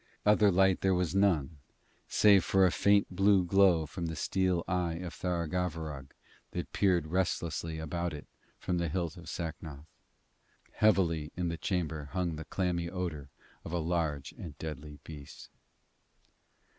Other light there was none, save for a faint blue glow from the steel eye of Tharagavverug that peered restlessly about it from the hilt of Sacnoth. Heavily in the chamber hung the clammy odour of a large and deadly beast.